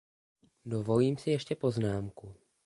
Dovolím si ještě poznámku.